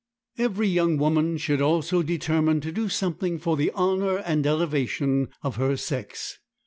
Every young woman should also determine to do something for the honor and elevation of her sex.